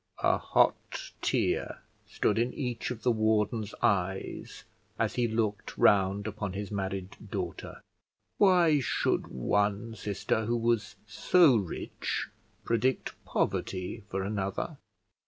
A hot tear stood in each of the warden's eyes as he looked round upon his married daughter. Why should one sister who was so rich predict poverty for another?